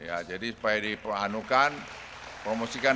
ya jadi supaya diperanukan promosikan